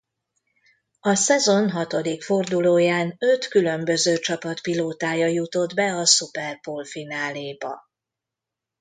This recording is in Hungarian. A szezon hatodik fordulóján öt különböző csapat pilótája jutott be a superpole-fináléba.